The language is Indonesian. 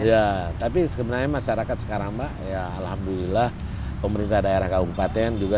ya tapi sebenarnya masyarakat sekarang mbak ya alhamdulillah pemerintah daerah kabupaten juga